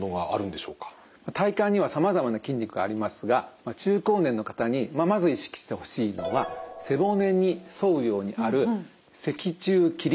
体幹にはさまざまな筋肉がありますが中高年の方にまず意識してほしいのは背骨に沿うようにある脊柱起立筋です。